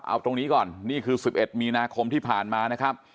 เอาตรงนี้ก่อนนี่คือ๑๑มีนาคมที่ผ่านมานะครับ